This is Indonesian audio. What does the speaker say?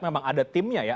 memang ada timnya ya